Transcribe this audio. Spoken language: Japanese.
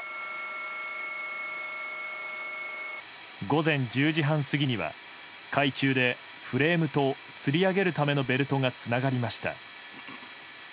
午前１０時半過ぎには海中でフレームと、つり上げるためのベルトがつながりました。